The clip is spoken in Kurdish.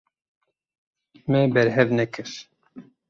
Me berhev nekir.